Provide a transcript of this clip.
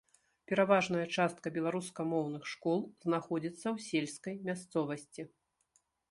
Пераважная частка беларускамоўных школ знаходзіцца ў сельскай мясцовасці.